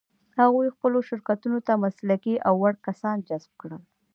هغوی خپلو شرکتونو ته مسلکي او وړ کسان جذب کړل.